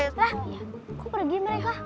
lah kok pergi mereka